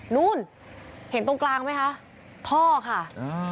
นู่นเห็นตรงกลางไหมคะท่อค่ะ